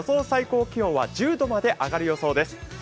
最高気温は１０度まで上がる予想です。